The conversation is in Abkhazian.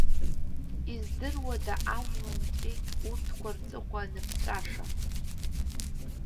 Издыруада, ажәла нҵәеит, урҭқәа рҵыхәа аныԥҵәаша?